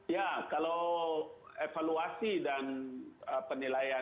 ya kalau evaluasi dan penilaian